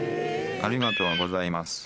ありがとうございます。